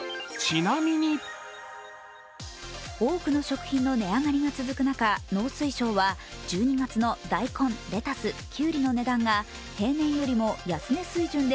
多くの食品の値上がりが続く中、農水省は１２月の大根、レタス、きゅうりの値段が平年よりも安値水準で